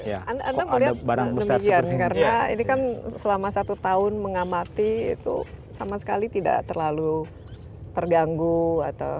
anda melihat demikian karena ini kan selama satu tahun mengamati itu sama sekali tidak terlalu terganggu atau